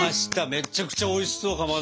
めちゃくちゃおいしそうかまど。